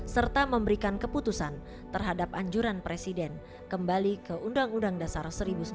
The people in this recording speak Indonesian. serta memberikan keputusan terhadap anjuran presiden kembali ke undang undang dasar seribu sembilan ratus empat puluh lima